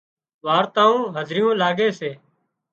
وارتائون هڌريون لاڳي سي